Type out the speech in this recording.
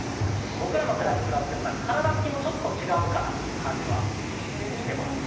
僕らの世代と比べても、体つきもちょっと違うかなっていう感じはしてます。